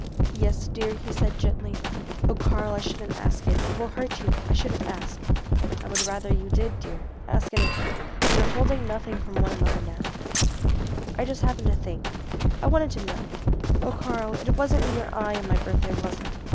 "Yes, dear?" he said gently. "Oh, Karl, I shouldn't ask it. It will hurt you. I shouldn't ask." "I would rather you did, dear. Ask anything. We are holding nothing from one another now." "I just happened to think I wanted to know oh Karl, it wasn't in your eye on my birthday, was it?